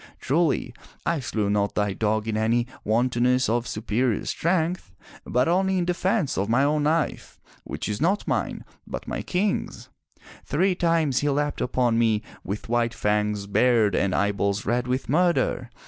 Truly, I slew not thy dog in any wantonness of superior strength, but only in defense of my own life, which is not mine, but my King's. Three times he leapt upon me with white fangs bared and eyeballs red with murder.